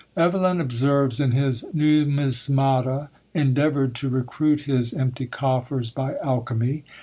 Evelyn observes in his Numismata, endeavoured to recruit his empty coffers by alchymy.